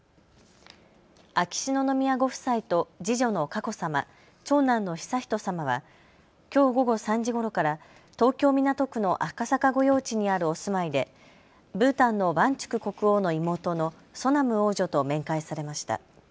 秋篠宮ご夫妻と次女の佳子さま、長男の悠仁さまはきょう午後３時ごろから東京港区の赤坂御用地にあるお住まいでブータンのワンチュク国王の妹のソナム王女と面会されました。